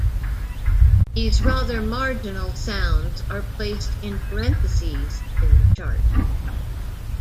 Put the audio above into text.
These rather marginal sounds are placed in parentheses in the chart.